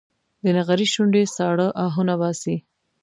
د نغري شوندې ساړه اهونه باسي